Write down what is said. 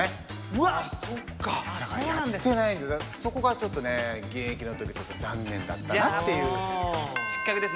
そこがちょっとね現役の時ちょっと残念だったなっていう。